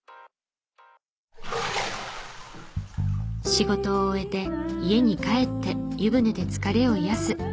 仕事を終えて家に帰って湯船で疲れを癒やす。